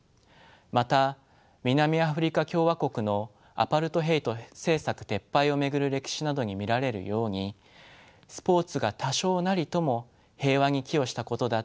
また南アフリカ共和国のアパルトヘイト政策撤廃を巡る歴史などに見られるようにスポーツが多少なりとも平和に寄与したことだってあります。